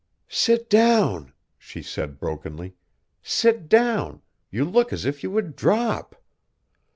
"Sit down!" she said brokenly. "Sit down, you look as if you would drop.